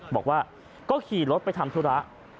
บอกว่าก็ขี่รถไปทำธุระ